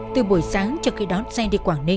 từ buổi sáng trước khi đón xe đi quảng ninh